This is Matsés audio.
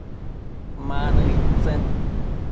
Ma nëid tsen ?